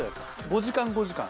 ５時間５時間。